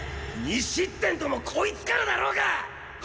２失点ともこいつからだろうが！